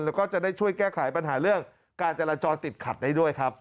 แล้วก็จะได้ช่วยแก้ไขปัญหาเรื่องการจราจรติดขัดได้ด้วยครับ